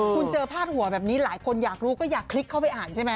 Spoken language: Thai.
คุณเจอพาดหัวแบบนี้หลายคนอยากรู้ก็อยากคลิกเข้าไปอ่านใช่ไหม